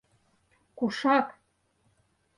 Кушак?